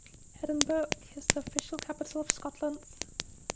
Edinburgh is the official capital of Scotland.